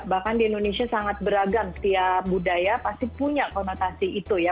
bahkan di indonesia sangat beragam setiap budaya pasti punya konotasi itu ya